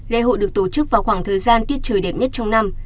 lễ hội được tổ chức vào khoảng thời gian tiết trời đẹp nhất trong năm